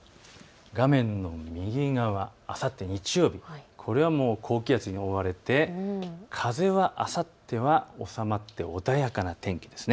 画面の右側、あさって日曜日、これはもう高気圧に覆われて風はあさっては収まって穏やかな天気です。